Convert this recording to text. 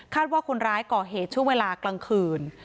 ว่าคนร้ายก่อเหตุช่วงเวลากลางคืน